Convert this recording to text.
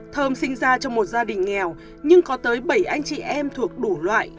thơm sinh ra trong một gia đình nghèo nhưng có tới bảy anh chị em thuộc đủ loại